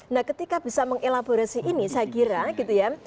nah ketika bisa mengelaborasi ini saya kira gitu ya